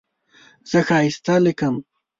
زه ښایسته لیکم.